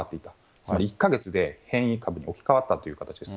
つまり１か月で変異株に置き換わったという形です。